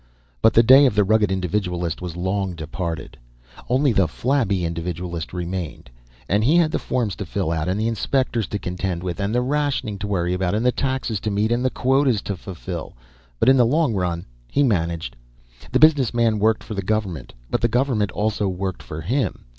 But the day of the rugged individualist was long departed; only the flabby individualist remained. And he had the forms to fill out and the inspectors to contend with, and the rationing to worry about and the taxes to meet and the quotas to fulfill. But in the long run, he managed. The business man worked for the government, but the government also worked for him.